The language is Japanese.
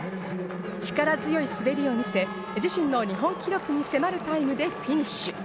力強い滑りを見せ、自身の日本記録に迫るタイムでフィニッシュ。